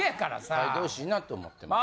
変えてほしいなと思ってます。